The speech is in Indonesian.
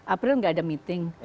april nggak ada meeting